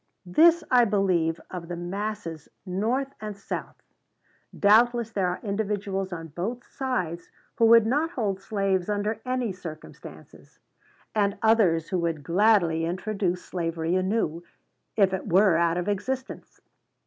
This I believe of the masses North and South. Doubtless there are individuals on both sides who would not hold slaves under any circumstances; and others who would gladly introduce slavery anew, if it were out of existence.